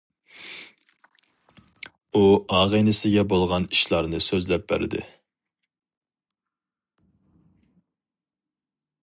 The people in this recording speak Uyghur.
ئۇ ئاغىنىسىگە بولغان ئىشلارنى سۆزلەپ بەردى.